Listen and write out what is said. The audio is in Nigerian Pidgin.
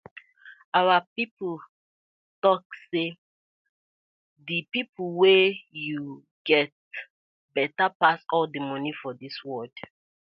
Our pipu tok say dey people wen yu get betta pass all di moni for di world.